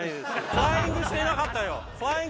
フライングしていなかった。